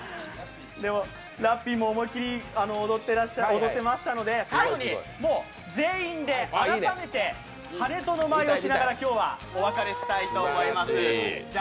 ラッピーも思い切り踊ってましたので最後に、全員で改めて跳人の舞をしながら今日はお別れしたいと思います。